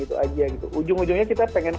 itu aja gitu ujung ujungnya kita pengen